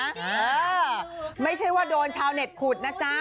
เออไม่ใช่ว่าโดนชาวเน็ตขุดนะจ๊ะ